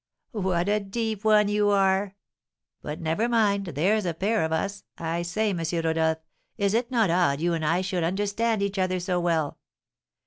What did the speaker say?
"What a deep one you are! But never mind, there's a pair of us! I say, M. Rodolph, is it not odd you and I should understand each other so well?